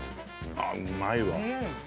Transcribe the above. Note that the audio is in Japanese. あっうまいわ。